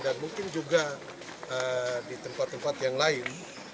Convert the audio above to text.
dan mungkin juga di tempat tempat yang lain